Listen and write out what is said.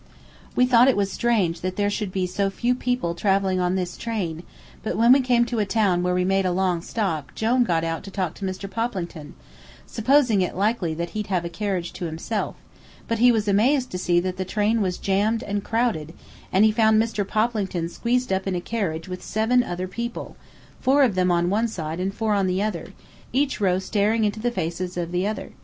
We thought it was strange that there should be so few people travelling on this train, but when we came to a town where we made a long stop Jone got out to talk to Mr. Poplington, supposing it likely that he'd have a carriage to himself; but he was amazed to see that the train was jammed and crowded, and he found Mr. Poplington squeezed up in a carriage with seven other people, four of them one side and four the other, each row staring into the faces of the other.